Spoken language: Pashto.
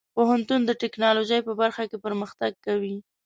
پوهنتون د ټیکنالوژۍ په برخه کې پرمختګ کوي.